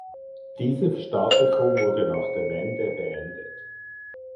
Diese Verstaatlichung wurde nach der Wende beendet.